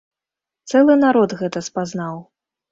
Цэлы народ гэта спазнаў.